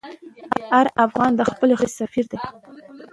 هر افغان د خپلې خاورې سفیر دی.